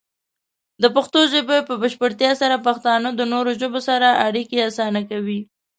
د پښتو ژبې په بشپړتیا سره، پښتانه د نورو ژبو سره اړیکې اسانه کوي.